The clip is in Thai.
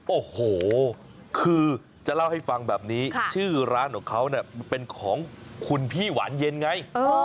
โอ้โหคือจะเล่าให้ฟังแบบนี้ชื่อร้านของเขาเนี่ยเป็นของคุณพี่หวานเย็นไง